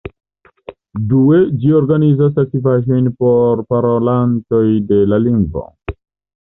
Due, ĝi organizas aktivaĵojn por parolantoj de la lingvo.